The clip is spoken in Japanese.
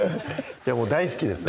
じゃあ大好きですね